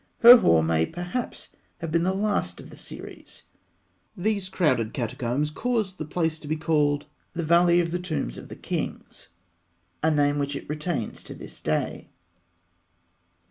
Herhor may perhaps have been the last of the series. These crowded catacombs caused the place to be called "The Valley of the Tombs of the Kings," a name which it retains to this day.